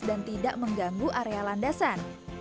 dan tidak mengganggu area landasan